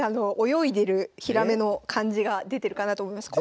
泳いでるひらめの感じが出てるかなと思います。